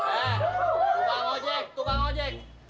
eh tukang ojek tukang ojek